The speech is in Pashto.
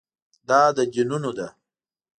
دا د دینونو ده.